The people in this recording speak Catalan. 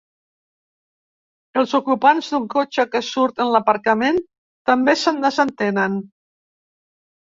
Els ocupants d'un cotxe que surt de l'aparcament també se'n desentenen.